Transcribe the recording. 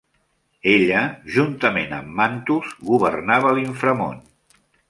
Ella, juntament amb Mantus, governava l'inframón.